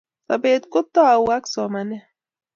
Sobet kutou ak somanet